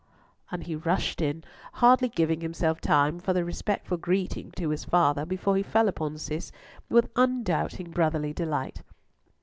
and he rushed in, hardly giving himself time for the respectful greeting to his father, before he fell upon Cis with undoubting brotherly delight.